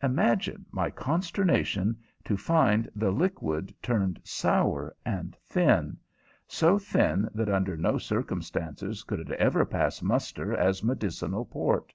Imagine my consternation to find the liquid turned sour and thin so thin that under no circumstances could it ever pass muster as medicinal port.